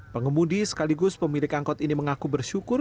pengemudi sekaligus pemilik angkut ini mengaku bersyukur